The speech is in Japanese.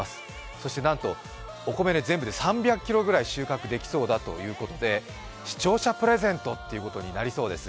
そしてなんと、お米、全部で３００ｋｇぐらい収穫できそうだということで、視聴者プレゼントってことになりそうです。